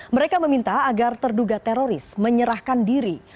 mereka meminta agar terduga teroris menyerahkan diri